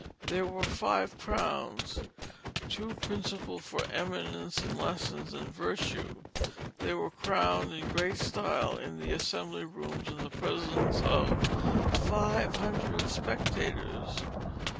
There were five Crowns, two principal for Eminence in Lessons, and Virtue. They were crowned in great style in the Assembly Rooms in the presence of 500 Spectators."